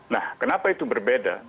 nah kenapa itu berbeda